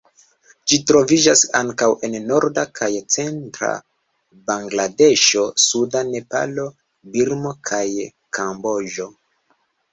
Ĝi troviĝas ankaŭ en norda kaj centra Bangladeŝo, suda Nepalo, Birmo kaj Kamboĝo.